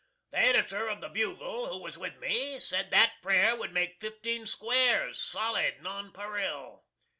The Editor of the "Bugle," who was with me, sed that prayer would make fifteen squares, solid nonparil.